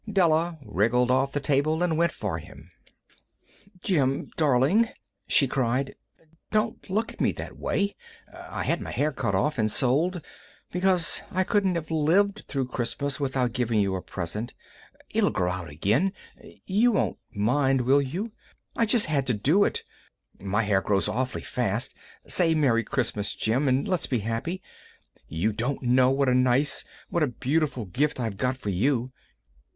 Della wriggled off the table and went for him. "Jim, darling," she cried, "don't look at me that way. I had my hair cut off and sold because I couldn't have lived through Christmas without giving you a present. It'll grow out again—you won't mind, will you? I just had to do it. My hair grows awfully fast. Say 'Merry Christmas!' Jim, and let's be happy. You don't know what a nice—what a beautiful, nice gift I've got for you."